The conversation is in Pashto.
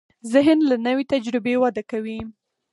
ذهن له نوې تجربې وده کوي.